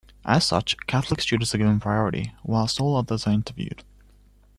As such, Catholic students are given priority, whilst all others are interviewed.